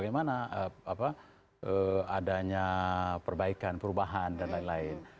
karena adanya perbaikan perubahan dan lain lain